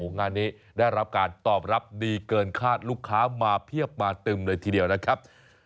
งานนี้ได้รับการตอบรับดีเกินคาดลูกค้ามาเพียบมาตึมเลยทีเดียวนะครับ